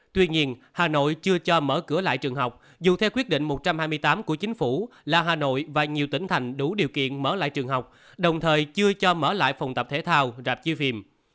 tuy nhiên hà nội chưa cho mở cửa lại trường học dù theo quyết định một trăm hai mươi tám của chính phủ là hà nội và nhiều tỉnh thành đủ điều kiện mở lại trường học đồng thời chưa cho mở lại phòng tập thể thao rạp chim